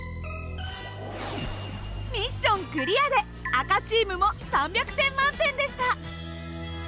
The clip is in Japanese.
ミッションクリアで赤チームも３００点満点でした。